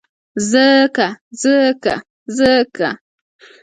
ځکه،